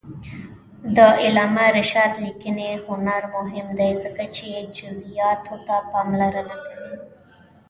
د علامه رشاد لیکنی هنر مهم دی ځکه چې جزئیاتو ته پاملرنه کوي.